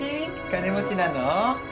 金持ちなの？